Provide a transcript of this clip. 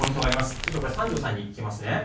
ちょっとこれ、三條さんに聞きますね。